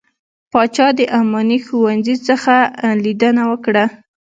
پاچا د اماني ښوونځي څخه څخه ليدنه وکړه .